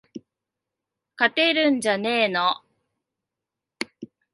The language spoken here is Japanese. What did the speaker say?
勝てるんじゃねーの